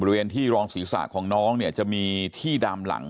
บริเวณที่รองศีรษะของน้องเนี่ยจะมีที่ดามหลัง